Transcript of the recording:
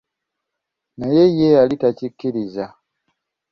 Naye ye yali takikiriza.